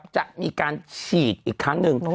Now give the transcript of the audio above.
จะมีการฉีดอีกครั้งหนึ่ง